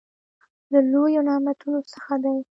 له لويو نعمتونو څخه دى.